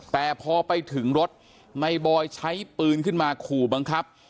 แต่พอไปถึงรถในบอยใช้ปืนขึ้นมาขู่บังคับ